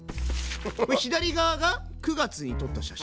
左側が９月に撮った写真。